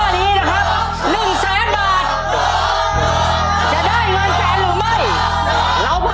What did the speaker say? นั่นครับ